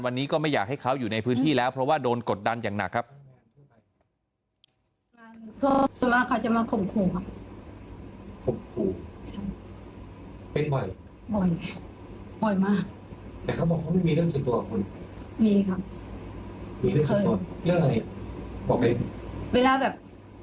วันนี้ก็ไม่อยากให้เขาอยู่ในพื้นที่แล้วเพราะว่าโดนกดดันอย่างหนักครับ